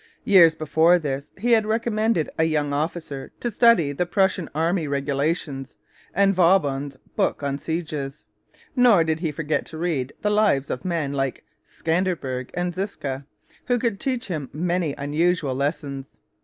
Years before this he had recommended a young officer to study the Prussian Army Regulations and Vauban's book on Sieges. Nor did he forget to read the lives of men like Scanderbeg and Ziska, who could teach him many unusual lessons.